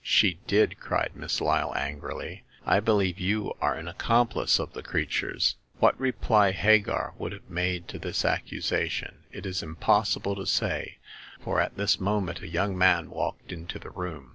" She did !'* cried Miss Lyle, angrily. *' I be lieve you are an accomplice of the creature's !" What reply Hagar would have made to this accusation it is impossible to say, for at this mo ment a young man walked into the room.